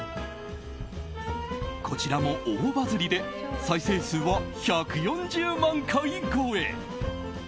こちらも大バズりで再生数は１４０万回超え。